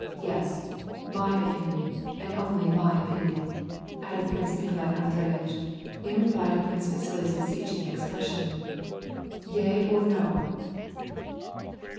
Yes, mj opinion, and only my opinion," added Prince Nikolai Andreyitch, in reply to Prince Vasili's beseeching expression " Yea or no